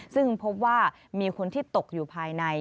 ซึ่งพบว่ามีคนที่ตกอยู่ภายใน